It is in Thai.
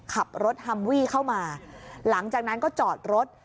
ขับรถฮัมวี่เข้ามาหลังจากนั้นก็จอดรถ